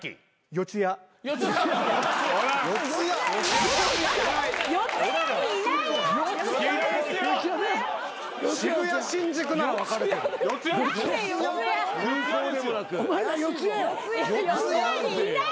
四谷にいないよ。